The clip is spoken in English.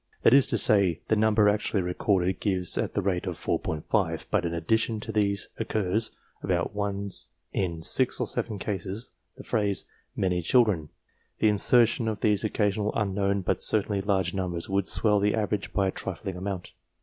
That is to say, the number actually recorded gives at the rate of 4J, but in addition to these occurs, about once in 6 or 7 cases, the phrase " many children." The insertion of these occasional unknown, but certainly large numbers, would swell the average by a trifling amount.